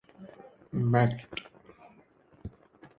Macht.